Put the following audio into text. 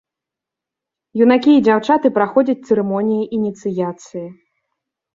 Юнакі і дзяўчаты праходзяць цырымоніі ініцыяцыі.